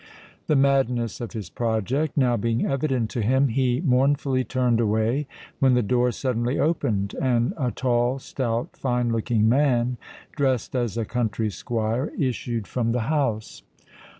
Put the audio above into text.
The madness of his project now being evident to him, he mournfully turned away, when the door suddenly opened, and a tall, stout, fine looking man, dressed as a country squire, issued from the house.